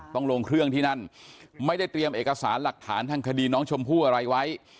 ลงเครื่องที่นั่นไม่ได้เตรียมเอกสารหลักฐานทางคดีน้องชมพู่อะไรไว้